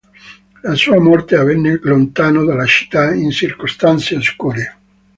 La sua morte avvenne lontano dalla città in circostanze oscure.